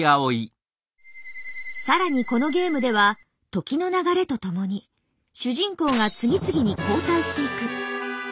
更にこのゲームでは時の流れとともに主人公が次々に交代していく。